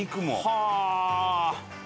はあ！